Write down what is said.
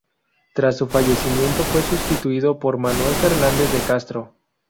Tras su fallecimiento fue sustituido por Manuel Fernández de Castro.